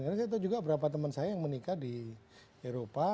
karena saya tahu juga beberapa teman saya yang menikah di eropa